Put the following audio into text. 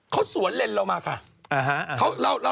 เขาสวนเลนเรามาค่ะ